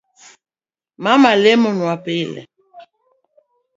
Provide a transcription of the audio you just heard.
Mama lemo nwaga pile